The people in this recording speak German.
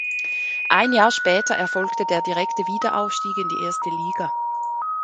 Ein Jahr später erfolgte der direkte Wiederaufstieg in die erste Liga.